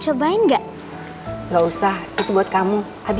semoga semuanya sempurna untuk belajar dukungan kami